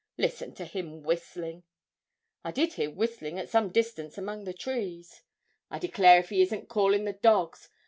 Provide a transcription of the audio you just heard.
Listen to him whistlin'.' 'I did hear whistling at some distance among the trees.' 'I declare if he isn't callin' the dogs!